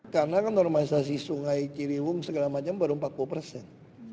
karena kan normalisasi sungai ciliwung segala macam baru empat puluh persen